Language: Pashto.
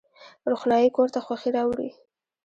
روښنايي کور ته خوښي راوړي